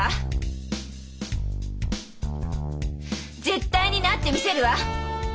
絶対になってみせるわ！